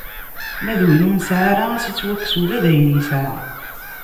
Ma d win ur nesɛi ara, ad s-ittwakkes ula d ayen yesɛa.